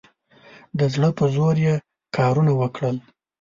د زړه په زور یې کارونه وکړل.